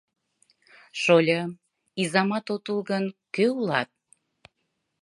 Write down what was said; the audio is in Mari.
Шольым, изамат от ул гын, кӧ улат?